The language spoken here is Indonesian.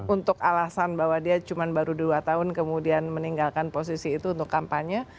untuk alasan bahwa dia cuma baru dua tahun kemudian meninggalkan posisi itu untuk kampanye